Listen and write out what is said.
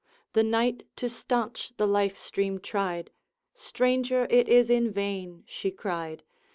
The Knight to stanch the life stream tried, 'Stranger, it is in vain!' she cried.